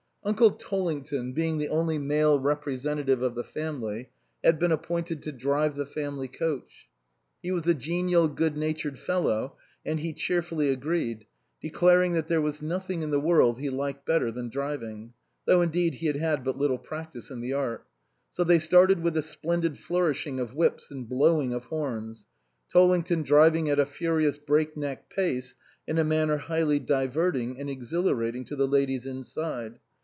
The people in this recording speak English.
Uncle Tollington, being the only male representative of the family, had been appointed to drive the family coach. He was a genial good natured fellow and he cheerfully agreed, declaring that there was nothing in the world he liked better than driving ; though indeed he had had but little practice in the art. So they started with a splendid flourishing of whips and blowing of horns; Tollington driving at a furious break neck pace in a manner highly diverting and exhilarating to the ladies inside.